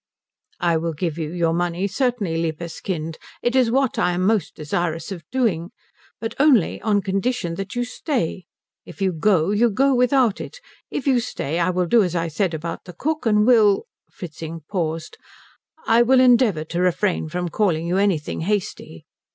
"I will give you your money certainly, liebes Kind. It is what I am most desirous of doing. But only on condition that you stay. If you go, you go without it. If you stay, I will do as I said about the cook and will " Fritzing paused "I will endeavour to refrain from calling you anything hasty."